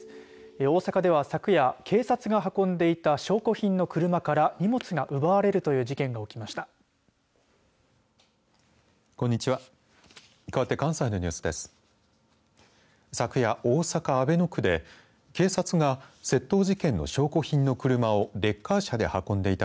大阪では昨夜、警察が運んでいた証拠品の車から荷物が奪われるという事件が起きました。